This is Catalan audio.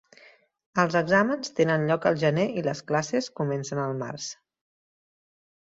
Els exàmens tenen lloc al gener i les classes comencen al març.